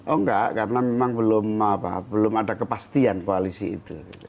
oh enggak karena memang belum ada kepastian koalisi itu